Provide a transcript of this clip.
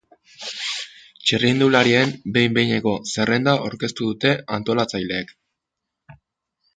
Txirrindularien behin behineko zerrenda aurkeztu dute antolatzaileek.